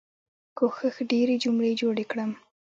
کوښښ ډيرې جملې جوړې کړم.